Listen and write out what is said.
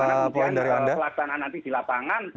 ada kemungkinan pelaksanaan nanti di lapangan